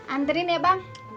anterin ya bang